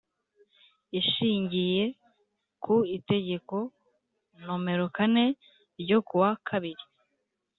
Ishingiye ku Itegeko nomero kane ryo kuwa kabiri